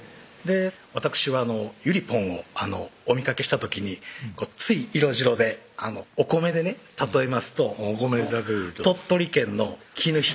わたくしはゆりぽんをお見かけした時につい色白でお米でね例えますと鳥取県の「きぬひかり」